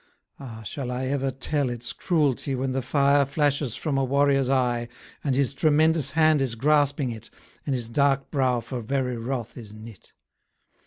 Ah! shall I ever tell its cruelty, When the fire flashes from a warrior's eye, And his tremendous hand is grasping it, And his dark brow for very wrath is knit?